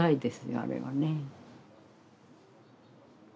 あれはね